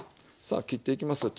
さあ切っていきますよ